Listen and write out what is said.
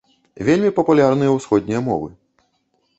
Вельмі папулярныя ўсходнія мовы.